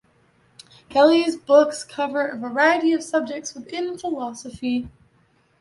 Kelley's books cover a variety of subjects within philosophy.